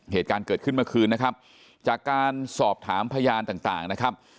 เหตุการณ์เกิดขึ้นเมื่อคืนนะครับจากการสอบถามพยานต่างนะครับ